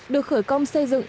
được khởi công xây dựng